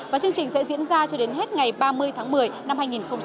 và chương trình sẽ diễn ra cho đến hết ngày ba mươi tháng một mươi năm hai nghìn một mươi chín